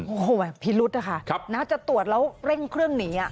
โอ้โหพิรุธค่ะน่าจะตรวจแล้วเร่งเครื่องหนี